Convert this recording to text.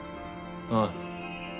おい。